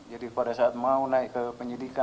jadi pada saat mau naik ke penyelidikan